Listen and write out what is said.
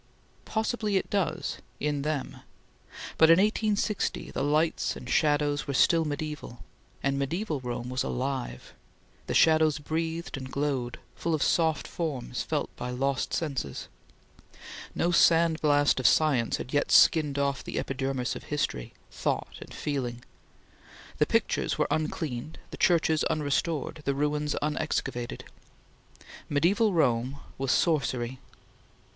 Possibly it does in them but in 1860 the lights and shadows were still mediaeval, and mediaeval Rome was alive; the shadows breathed and glowed, full of soft forms felt by lost senses. No sand blast of science had yet skinned off the epidermis of history, thought, and feeling. The pictures were uncleaned, the churches unrestored, the ruins unexcavated. Mediaeval Rome was sorcery.